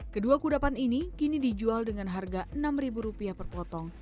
kedua kudapan ini kini dijual dengan harga rp enam per potong